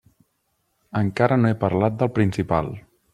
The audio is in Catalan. Encara no he parlat del principal.